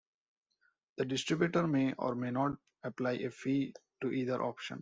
The distributor may or may not apply a fee to either option.